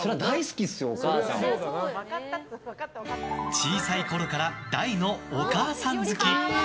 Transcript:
小さいころから大のお母さん好き。